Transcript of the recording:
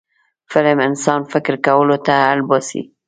فلم انسان فکر کولو ته اړ باسي